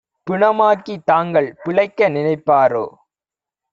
பிணமாக்கித் தாங்கள் பிழைக்க நினைப்பாரோ?"